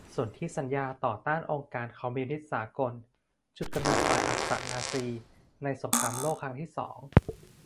สนธิสัญญาต่อต้านองค์การคอมมิวนิสต์สากล จุดกำเนิด ฝ่ายอักษะ-นาซี ใน สงครามโลกครั้งที่สอง